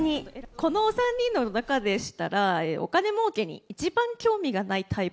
このお３人の中でしたら、お金もうけに一番興味がないタイプ。